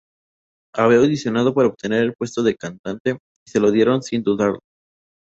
Había audicionado para obtener el puesto de cantante y se lo dieron sin dudarlo.